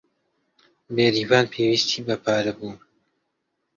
بێریڤان پێویستی بە پارە بوو.